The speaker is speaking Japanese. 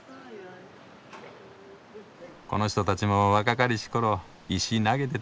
この人たちも若かりし頃石投げてたんだ。